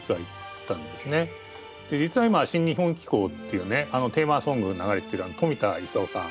実は今「新日本紀行」っていうねあのテーマソング流れてる冨田勲さん